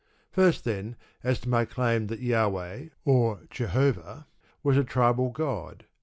First then, as to my claim that Jahweh, or Jehovah, was a tribal god.